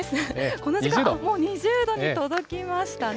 この時間、もう２０度に届きましたね。